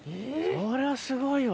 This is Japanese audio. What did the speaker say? そりゃすごいわ。